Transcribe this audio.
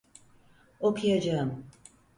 Okuyacağım.